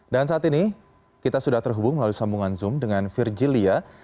dan saat ini kita sudah terhubung melalui sambungan zoom dengan virjilia